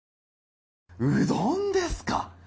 うどんですか！